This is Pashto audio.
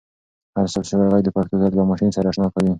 هر ثبت شوی ږغ د پښتو طرز له ماشین سره اشنا کوي.